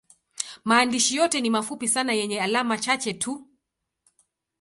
Maandishi yote ni mafupi sana yenye alama chache tu.